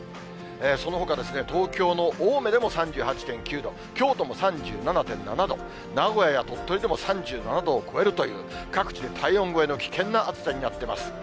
そのほか、東京の青梅でも３８．９度、京都も３７．７度、名古屋や鳥取でも３７度を超えるという、各地で体温超えの危険な暑さになっています。